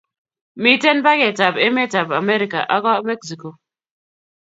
Miten mpaket eng emetab America ago mexico